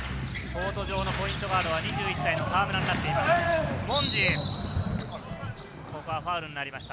コート上のポイントガードは２１歳の河村になっています。